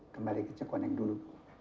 kembali ke cekoneng dulu